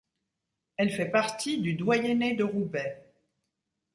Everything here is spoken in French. Elle fait partie du doyenné de Roubaix.